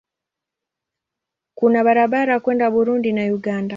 Kuna barabara kwenda Burundi na Uganda.